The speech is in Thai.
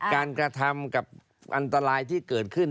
กระทำกับอันตรายที่เกิดขึ้น